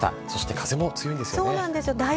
そして風も強いですよね。